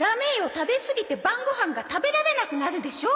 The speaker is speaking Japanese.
食べすぎて晩ご飯が食べられなくなるでしょ。